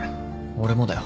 俺もだよ。